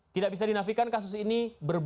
tidak bisa dinafikan kasus ini